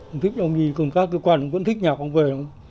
ông thích ông nhì còn các cơ quan cũng thích nhạc ông về